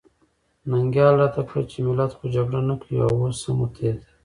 ننګیال راته کړه چې ملت خو جګړه نه کوي او اوس هم متحد دی.